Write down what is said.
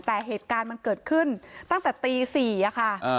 แต่เหตุการณ์มันเกิดขึ้นตั้งแต่ตี๔ค่ะ